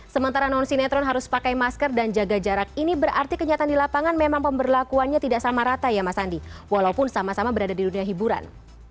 sementara non sinetron harus pakai masker dan jaga jarak ini berarti kenyataan di lapangan memang pemberlakuannya tidak sama rata ya mas andi walaupun sama sama berada di dunia hiburan